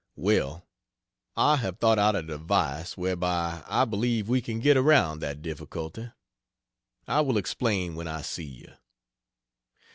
Well, I have thought out a device whereby I believe we can get around that difficulty. I will explain when I see you.